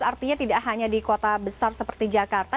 artinya tidak hanya di kota besar seperti jakarta